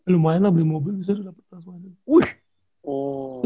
lumayan lah beli mobil bisa